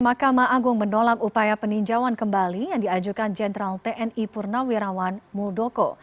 mahkamah agung menolak upaya peninjauan kembali yang diajukan jenderal tni purnawirawan muldoko